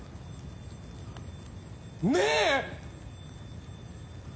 ねえ！？